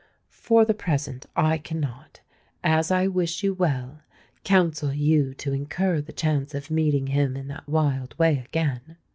For the present I cannot,—as I wish you well,—counsel you to incur the chance of meeting him in that wild way again.